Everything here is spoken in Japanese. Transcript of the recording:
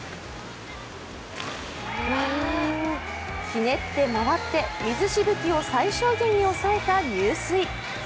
ひねって回って水しぶきを最小限に抑えた入水。